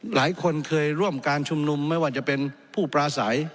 หลายคนเคยร่วมการชุมนุมไม่ว่าจะเป็นผู้ปราศัย